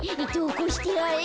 こうしてあれ？